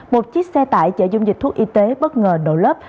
một chiếc xe tải chở dung dịch thuốc y tế bất ngờ nổ lấp